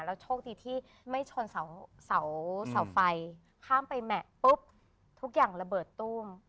โชคดีที่ไม่ชนเสาไฟข้ามไปแหมะปุ๊บทุกอย่างระเบิดตู้ม